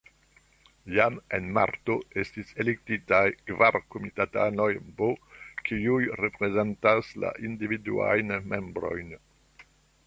Jam en marto estis elektitaj kvar komitatanoj B, kiuj reprezentas la individuajn membrojn.